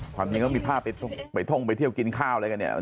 ความจริงก็มีภาพไปท่องไปเที่ยวกินข้าวอะไรกันเนี่ย